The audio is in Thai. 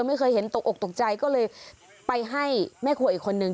ไม่เคยเห็นตกอกตกใจก็เลยไปให้แม่ครัวอีกคนนึง